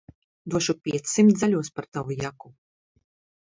Došu piecsimt zaļos par tavu jaku.